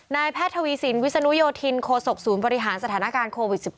แพทย์ทวีสินวิศนุโยธินโคศกศูนย์บริหารสถานการณ์โควิด๑๙